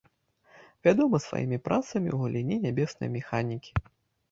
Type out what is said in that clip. Вядомы сваімі працамі ў галіне нябеснай механікі.